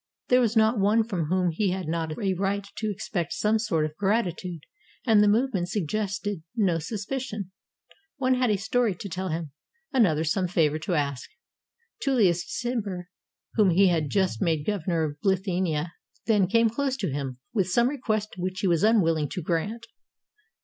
There was not one from whom he had not a right to expect some sort of gratitude, and the move ment suggested no suspicion. One had a story to tell him ; another some favor to ask. TuUius Cimber, whom he had just made governor of Bithynia, then came close 378 THE ASSASSINATION OF JULIUS C^SAR to him, with some request which he was unwilling to grant.